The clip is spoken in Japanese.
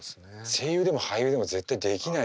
声優でも俳優でも絶対できない。